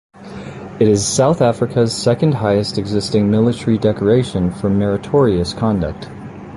It is South Africa's second highest existing military decoration for meritorious conduct.